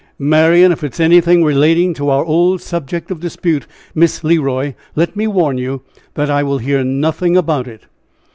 "Marian, if it is anything relating to our old subject of dispute Miss Le Roy let me warn you that I will hear nothing about it."